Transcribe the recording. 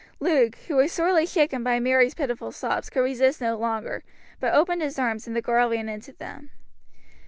Luke, who was sorely shaken by Mary's pitiful sobs, could resist no longer, but opened his arms, and the girl ran into them.